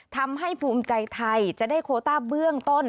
ทำให้ภูมิใจไทยจะได้โคต้าเบื้องต้น